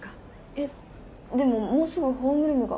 えっでももうすぐホームルームが。